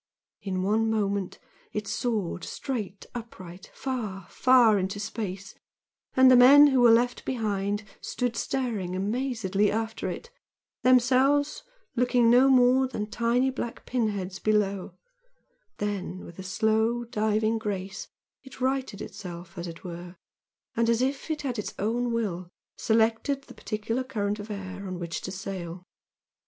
In one moment, it soared straight upright, far far into space, and the men who were left behind stood staring amazedly after it, themselves looking no more than tiny black pin heads down below, then, with a slow diving grace it righted itself as it were, and as if it had of its own will selected the particular current of air on which to sail.